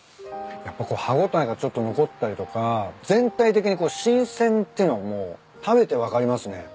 やっぱ歯応えがちょっと残ったりとか全体的に新鮮ってのがもう食べて分かりますね。